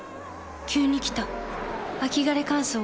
急に来た秋枯れ乾燥。